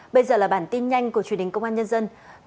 bây giờ là bản tin nhanh của truyền hình công an nhân dân